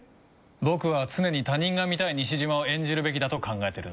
僕は常に他人が見たい西島を演じるべきだと考えてるんだ。